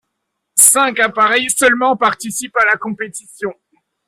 Cinq appareils seulement participent à la compétition.